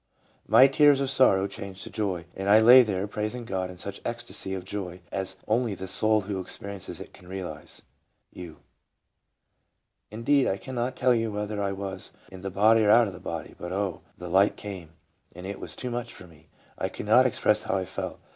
My tears of sorrow changed to joy, and I lay there praising God in such ecstasy of joy as only the soul who experiences it can realize." — U. " Indeed I cannot tell you whether I was ' in the body or out of the body,' but, O! the light came; it was too much for me. I cannot express how I felt.